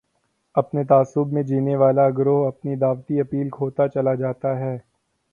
اپنے تعصب میں جینے والا گروہ اپنی دعوتی اپیل کھوتا چلا جاتا ہے۔